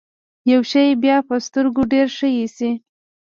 يو شی بيا په سترګو ډېر ښه اېسي.